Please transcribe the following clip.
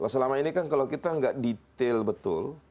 selama ini kan kalau kita nggak detail betul